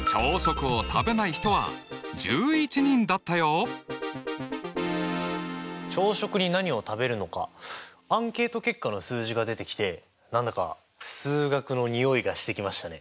その結果は朝食に何を食べるのかアンケート結果の数字が出てきて何だか数学のにおいがしてきましたね。